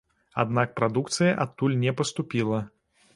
Аднак прадукцыя адтуль не паступіла.